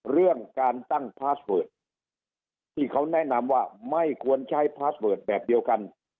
เรื่องการตั้งพาสเวิร์ดที่เขาแนะนำว่าไม่ควรใช้พาสเวิร์ดแบบเดียวกัน